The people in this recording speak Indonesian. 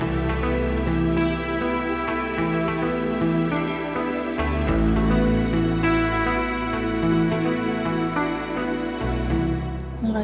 terus dia blong bong